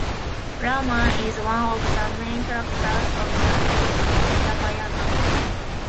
Rama is one of the main characters of the epic "Ramayana".